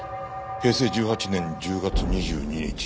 「平成１８年１０月２２日」